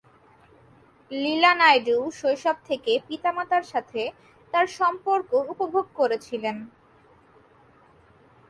লীলা নায়ডু শৈশব থেকে পিতামাতার সাথে তাঁর সম্পর্ক উপভোগ করেছিলেন।